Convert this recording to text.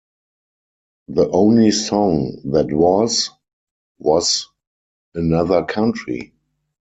The only song that was was 'Another Country'.